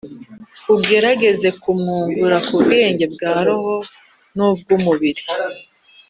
ugerageze kurwungura ku bwenge bwa roho ni’ubw’umubiri.